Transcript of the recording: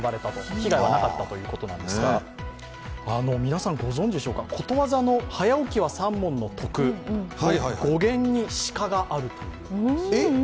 被害はなかったということなんですがことわざの早起きは三文の得、語源に鹿があるという。